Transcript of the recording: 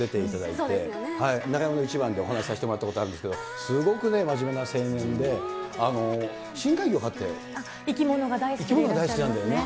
中山のイチバンでお話させてもらったことあるんですけれども、すごくね、真面目な青年で、生き物が大好きでいらっしゃ生き物が大好きなんだよね。